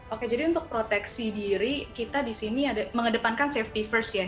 oke jadi untuk proteksi diri kita di sini mengedepankan safety first ya